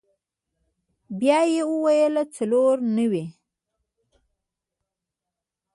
بيا يې وويل څلور نوي.